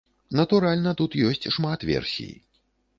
Натуральна, тут ёсць шмат версій.